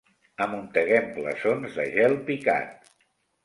Amunteguem glaçons de gel picat.